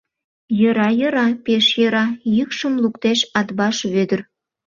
— Йӧра-йӧра, пеш йӧра! — йӱкшым луктеш Атбаш Вӧдыр.